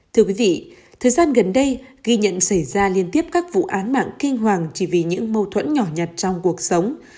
thưa quý vị thời gian gần đây ghi nhận xảy ra liên tiếp các vụ án mạng kinh hoàng chỉ vì những mâu thuẫn nhỏ nhặt trong cuộc sống